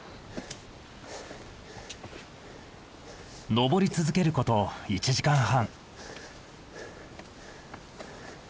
登り続けること１時間半。